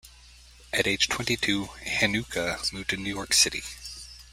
At age twenty-two, Hanuka moved to New York City.